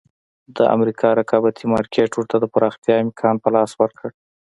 د امریکا رقابتي مارکېټ ورته د پراختیا امکان په لاس ورکړ.